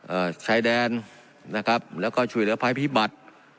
ชายแดนนะครับแล้วก็ช่วยเหลือภัยพิบัติ